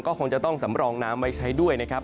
ก็คงจะต้องสำรองน้ำไว้ใช้ด้วยนะครับ